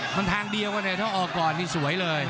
มันทางเดียวกันเนี่ยถ้าออกก่อนนี่สวยเลย